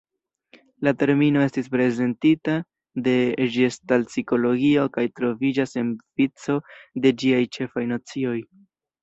La termino estis prezentita de geŝtalt-psikologio kaj troviĝas en vico de ĝiaj ĉefaj nocioj.